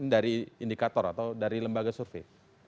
dari indikator atau dari lembaga survei